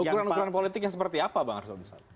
ukuran ukuran politiknya seperti apa bang arso